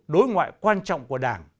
đối ngoại quan trọng của đảng